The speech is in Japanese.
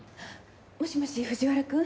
もしもし藤原君？